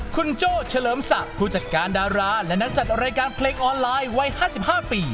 คุณโจ้เฉลิมศักดิ์ผู้จัดการดาราและนักจัดรายการเพลงออนไลน์วัย๕๕ปี